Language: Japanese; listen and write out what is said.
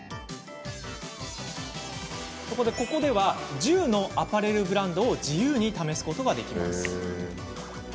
ここでは１０のアパレルブランドを自由に試すことができます。